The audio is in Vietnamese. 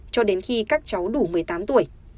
cho đến khi các cháu đủ một mươi tám tuổi